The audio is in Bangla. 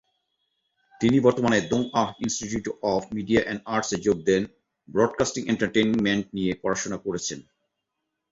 তিনি বর্তমানে Dong-ah Institute of Media and আর্টস-এ যোগ দেন, ব্রডকাস্টিং এন্টারটেইনমেন্ট নিয়ে পড়াশোনা করেছেন।